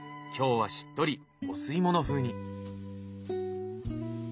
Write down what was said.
今日はしっとりお吸い物風に。